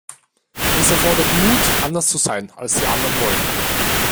Es erfordert Mut, anders zu sein, als es die anderen wollen.